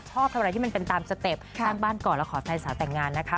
ชอบทำอะไรที่มันเป็นตามสเต็ปตั้งบ้านก่อนแล้วขอแฟนสาวแต่งงานนะคะ